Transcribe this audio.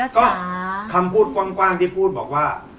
ก็คำพูดกว้างที่พูดบอกว่า